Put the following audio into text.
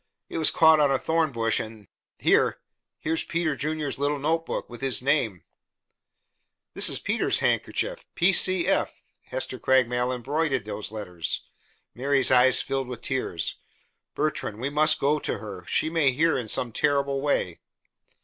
It was caught on a thorn bush, and here here's Peter Junior's little notebook, with his name " "This is Peter's handkerchief. P. C. J. Hester Craigmile embroidered those letters." Mary's eyes filled with tears. "Bertrand, we must go to her. She may hear in some terrible way."